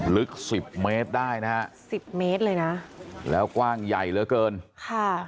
ลึกสิบเมตรได้นะฮะสิบเมตรเลยนะแล้วกว้างใหญ่เหลือเกินค่ะ